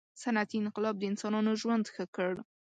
• صنعتي انقلاب د انسانانو ژوند ښه کړ.